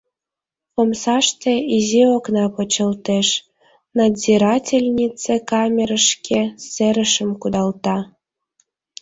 Омсаште изи окна почылтеш, надзирательнице камерышке серышым кудалта.